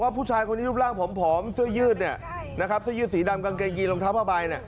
ผู้ชายคนนี้รูปร่างผมผอมเสื้อยืดสีดำกางเกงกีลองเท้าพ่อใบ